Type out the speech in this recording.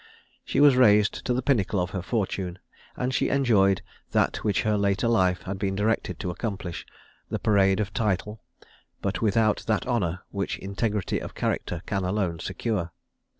She was raised to the pinnacle of her fortune, and she enjoyed that which her later life had been directed to accomplish the parade of title, but without that honour which integrity of character can alone secure.